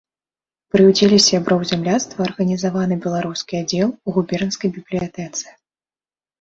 Пры ўдзеле сяброў зямляцтва арганізаваны беларускі аддзел у губернскай бібліятэцы.